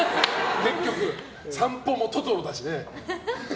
結局、散歩もトトロだしね。